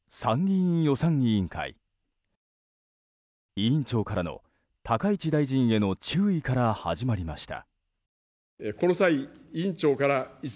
委員長からの高市大臣への注意から始まりました。